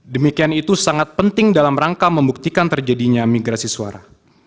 demikian itu sangat penting dalam rangka membuktikan terjadinya migrasi suara